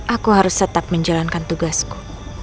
aku harus tetap menjalankan tugasku